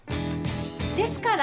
ですから。